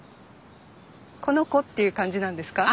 この子っていう感じなんですか？